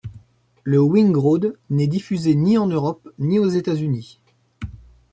Le Wingroad n'est diffusé ni en Europe ni aux États-Unis.